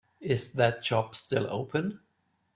Is that job still open?